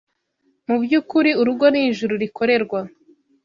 mu by’ukuri urugo ni ijuru rikorerwa